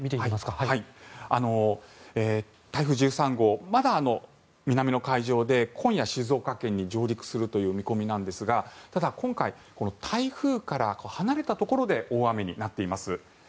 台風１３号まだ南の海上で今夜、静岡県に上陸するという見込みなんですがただ、今回台風から離れたところで大雨になっています。